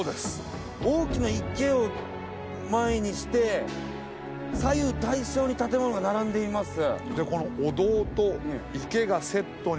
大きな池を前にして左右対称に建物が並んでいます。